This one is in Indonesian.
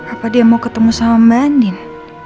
apa dia mau ketemu sama mandin